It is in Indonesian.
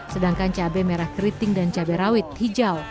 sedangkan cabai merah keriting dan cabai rawit hijau